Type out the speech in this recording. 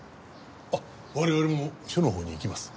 あっ我々も署のほうに行きます。